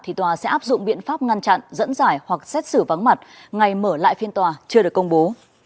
thì tòa sẽ áp dụng biện pháp ngăn chặn dẫn giải hoặc xét xử vắng mặt ngày mở lại phiên tòa chưa được công bố